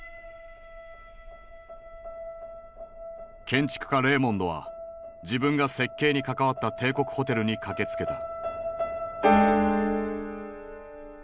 建築家レーモンドは自分が設計に関わった帝国ホテルに駆けつけた。